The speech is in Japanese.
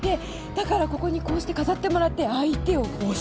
だからここにこうして飾ってもらって相手を募集。